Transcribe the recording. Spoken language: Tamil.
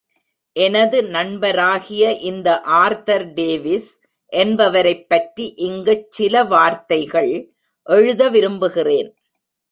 எனது நண்பராகிய இந்த ஆர்தர் டேவிஸ் என்பவரைப் பற்றி இங்குச் சில வார்த்தைகள் எழுத விரும்புகிறேன்.